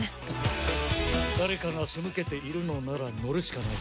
誰かが仕向けているのなら乗るしかない。